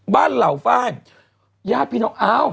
บ้านเหล่าฟ่ายญาติพี่น้องอะเห้า